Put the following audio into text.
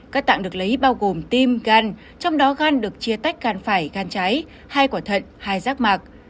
các tạng được lấy bao gồm tim gan trong đó gan được chia tách gan phải gan cháy hai quả thận hai rác mạc